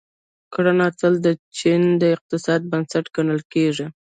کرنه تل د چین د اقتصاد بنسټ ګڼل کیږي.